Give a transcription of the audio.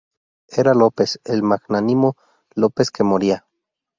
Era López, el magnánimo López que moría.